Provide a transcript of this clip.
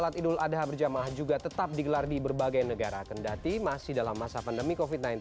sekarang di tanah air salat idul adha berjamah juga tetap digelar di berbagai negara kendati masih dalam masa pandemi covid sembilan belas